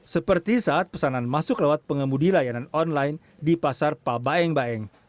seperti saat pesanan masuk lewat pengemudi layanan online di pasar pabaeng baeng